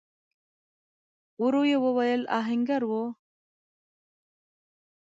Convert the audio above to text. ورو يې وويل: آهنګر و؟